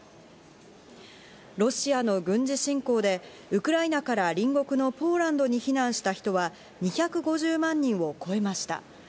ロシアの軍事侵攻でウクライナから隣国のポーランドに避難した人は２５０万人を超えました。